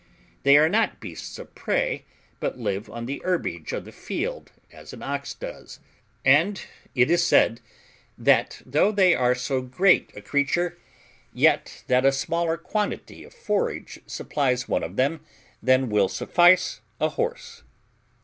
They are not beasts of prey, but live upon the herbage of the field, as an ox does; and it is said, that though they are so great a creature, yet that a smaller quantity of forage supplies one of them than will suffice a horse.